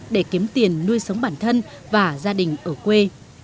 để kiếm tiền nuôi sống bản thân và gia đình ở quê